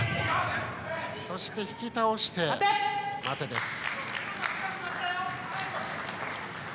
そして引き倒して、待てです。